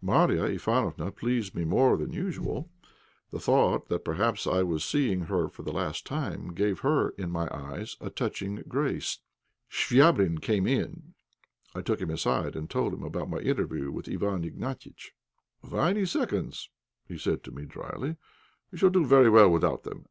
Marya Ivánofna pleased me more than usual. The thought that perhaps I was seeing her for the last time gave her, in my eyes, a touching grace. Chvabrine came in. I took him aside and told him about my interview with Iwán Ignatiitch. "Why any seconds?" he said to me, dryly. "We shall do very well without them."